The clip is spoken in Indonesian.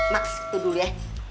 mak itu dulu ya